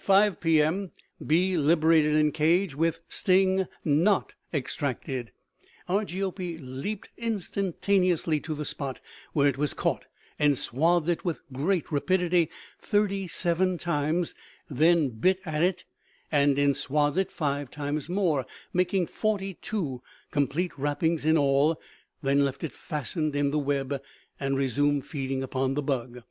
"5 P.M.; bee liberated in cage with sting not extracted. Argiope leaped instantaneously to the spot where it was caught, enswathed it with great rapidity thirty seven times, then bit at it, and enswathed it five times more, making forty two complete wrappings in all, then left it fastened in the web and resumed feeding upon the bug.